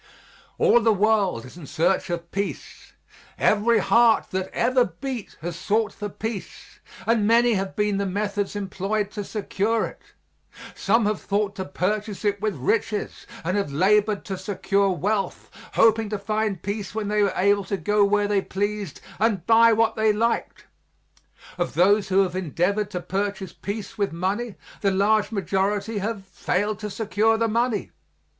All the world is in search of peace; every heart that ever beat has sought for peace, and many have been the methods employed to secure it. Some have thought to purchase it with riches and have labored to secure wealth, hoping to find peace when they were able to go where they pleased and buy what they liked. Of those who have endeavored to purchase peace with money, the large majority have failed to secure the money.